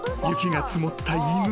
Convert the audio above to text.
［雪が積もった犬］